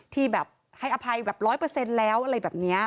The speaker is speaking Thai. ที่แบบให้อภัยแบบ๑๐๐แล้วอะไรแบบนี้